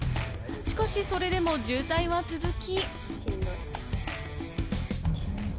しかし、それでも渋滞が続き。